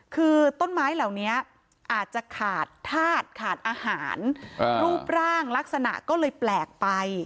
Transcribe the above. คือต้นไม้เหล่านี้อาจจะขาดธาตุขาดอาหารรูปร่างลักษณะก็เลยแปลกไป